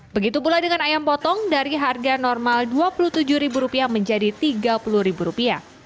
begitu pula dengan ayam potong dari harga normal rp dua puluh tujuh menjadi rp tiga puluh